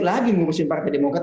balik lagi musim partai demokrat